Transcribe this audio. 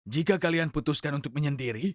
jika kalian putuskan untuk menyendiri